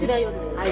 はい。